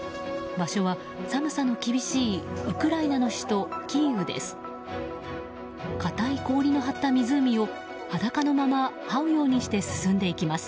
場所は、寒さの厳しいウクライナの首都キーウです。